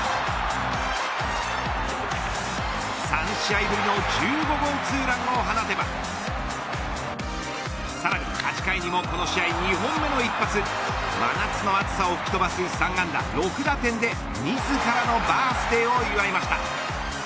３試合ぶりの１５号ツーランを放てばさらに８回にもこの試合２本目の一発真夏の暑さを吹き飛ばす３安打６打点で自らのバースデーを祝いました。